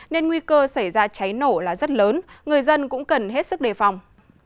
nên nguy cơ xảy ra cháy nổ là rất lớn người dân cũng cần hết sức đề phòng